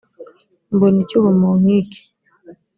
mbona icyuho mu nkike